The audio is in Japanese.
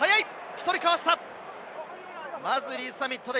１人かわした！